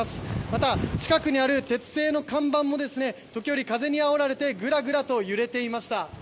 また、近くにある鉄製の看板も時折、風にあおられてグラグラと揺れていました。